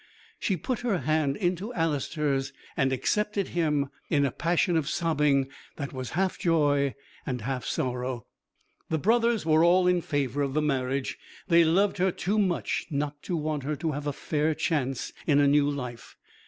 She put her hand into Alister's and accepted him in a passion of sobbing that was half joy, half sorrow. The brothers were all in favour of the marriage. They loved her too much not to want her to have a fair chance in a new life.